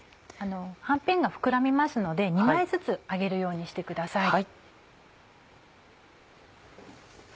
はんぺんが膨らみますので２枚ずつ揚げるようにしてください。